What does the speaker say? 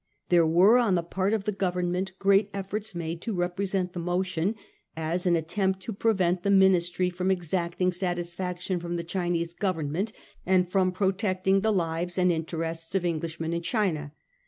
There were on the part of the Government great efforts made to represent the motion as an attempt to prevent the Ministry from exacting satisfaction from the Chinese Govern ment, land from protecting the lives and interests of Englishmen in China.